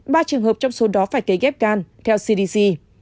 ba trường hợp trong số đó phải cấy ghép gan theo cdc